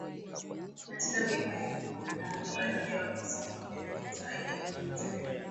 Katika miaka ya hivi karibuni baadhi ya wamasai wameongeza aina nyingine za vyakula